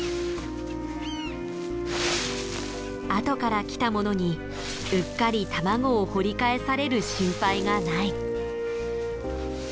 後から来たものにうっかり卵を掘り返される心配がない。